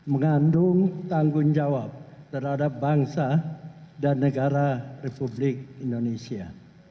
mengandung tanggung jawab terhadap bangsa dan negara republik indonesia